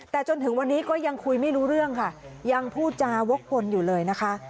แต่จนถึงวันนี้ก็ยังคุยไม่รู้เรื่องค่ะยังพูดจาวกวนอยู่เลยนะคะ